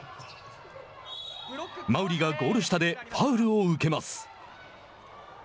馬瓜がゴール下でファウルを受けます。